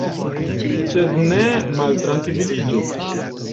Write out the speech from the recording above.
Sed ne maltrankviliĝu.